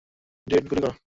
Direct গুলি করো?